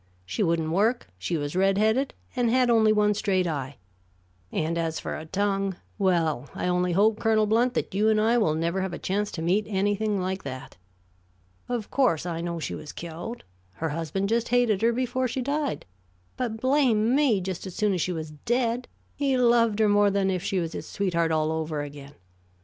She wouldn't work; she was red headed and had only one straight eye; and as for a tongue well, I only hope, Colonel Blount, that you and I will never have a chance to meet anything like that. Of course, I know she was killed. Her husband just hated her before she died, but blame me, just as soon as she was dead, he loved her more than if she was his sweetheart all over again.